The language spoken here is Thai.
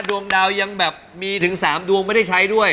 ดวงดาวยังแบบมีถึง๓ดวงไม่ได้ใช้ด้วย